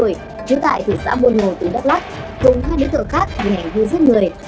chứa tại thị xã buôn ngồ từ đắk lắk cùng hai đứa tựa khác bị hẻng vui giết người